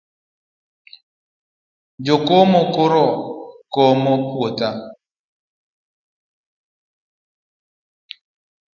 Jo komo koro komo putha.